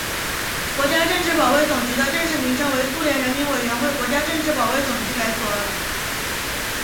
国家政治保卫总局的正式名称为苏联人民委员会国家政治保卫总局改组而来。